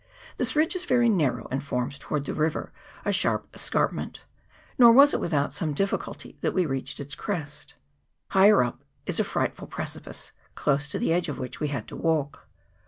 This ridge is very narrow, and forms, towards the river, a sharp es carpment ; nor was it without some difficulty that we reached its crest. Higher up is a frightful pre cipice, close to the edge of which we had to walk.